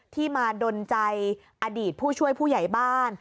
ที่มาดนใจอดีตผู้ช่วยผู้ใหญ่บ้าน